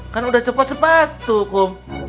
kan udah cepat cepat tu kum